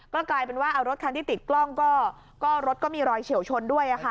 ก็กลายเป็นว่าเอารถคันที่ติดกล้องก็รถก็มีรอยเฉียวชนด้วยค่ะ